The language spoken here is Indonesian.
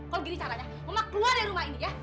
kalau gini caranya mama keluar dari rumah ini ya